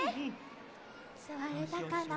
すわれたかな？